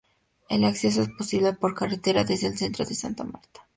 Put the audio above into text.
El acceso es posible por carretera, desde el centro de Santa Marta.